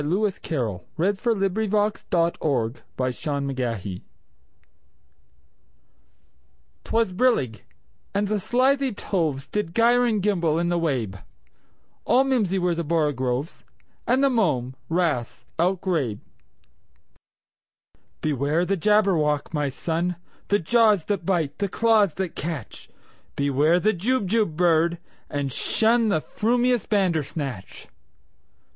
1895. Lewis Carroll 1832–98 Jabberwocky CarrollL 'T WAS brillig, and the slithy tovesDid gyre and gimble in the wabe; All mimsy were the borogoves, And the mome raths outgrabe."Beware the Jabberwock, my son! The jaws that bite, the claws that catch! Beware the Jubjub bird, and shunThe frumious Bandersnatch!"